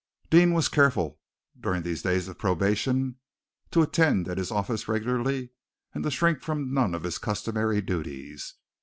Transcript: Deane was careful, during these days of probation, to attend at his office regularly, and to shrink from none of his customary duties.